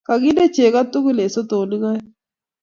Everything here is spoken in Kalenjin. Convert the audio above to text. Kakinde chego tugul eng sotonik aeng